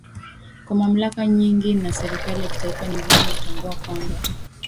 kwa mamlaka nyingi na serikali za kitaifa Ni muhimu kutambua kwamba